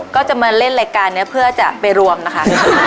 ก็จะมาเล่นรายการนี้เพื่อจะไปรวมนะคะ